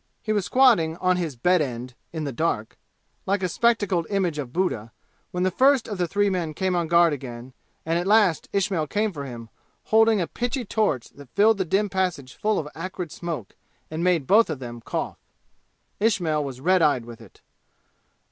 He was squatting on his bed end in the dark, like a spectacled image of Buddha, when the first of the three men came on guard again and at last Ismail came for him holding a pitchy torch that filled the dim passage full of acrid smoke and made both of them cough. Ismail was red eyed with it.